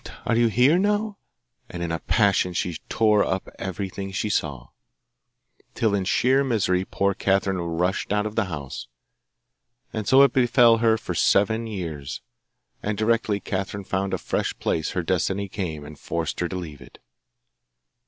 are you here now?' And in a passion she tore up everything she saw, till in sheer misery poor Catherine rushed out of the house. And so it befell for seven years, and directly Catherine found a fresh place her Destiny came and forced her to leave it.